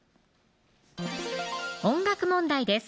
音楽問題です